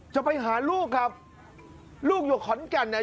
จะไปหาลูกครับลูกอยู่ขอนแก่นเนี่ย